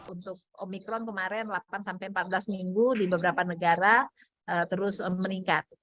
untuk omikron kemarin delapan empat belas minggu di beberapa negara terus meningkat